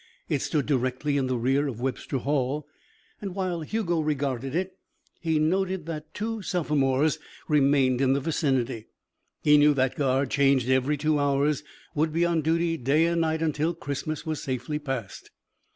It stood directly in the rear of Webster Hall, and while Hugo regarded it, he noticed that two sophomores remained in the vicinity. He knew that guard, changed every two hours, would be on duty day and night until Christmas was safely passed.